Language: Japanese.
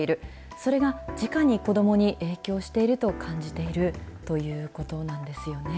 それがじかに子どもに影響していると感じているということなんですよね。